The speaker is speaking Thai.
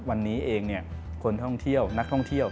วันนี้เองคนท่องเที่ยวนักท่องเที่ยว